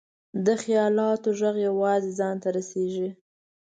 د خیالاتو ږغ یوازې ځان ته رسېږي.